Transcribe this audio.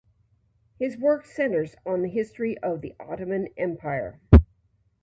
His work centers on the history of the Ottoman Empire.